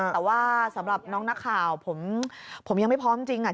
แต่ว่าสำหรับน้องนักข่าวผมยังไม่พร้อมจริง